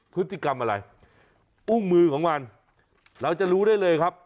พฤติกรรมอะไรอุ้งมือของมันเราจะรู้ได้เลยครับ